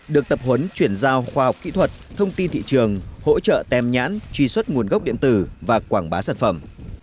được tập huấn chuyển giao khoa học kỹ thuật thông tin thị trường hỗ trợ tem nhãn truy xuất nguồn gốc điện tử và quảng bá sản phẩm